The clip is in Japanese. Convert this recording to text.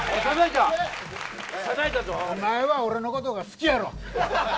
おまえは俺のことが好きやろ。